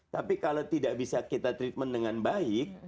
tapi kalau tidak bisa kita treatment dengan baik